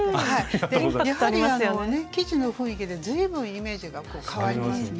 やはり生地の雰囲気で随分イメージが変わりますね。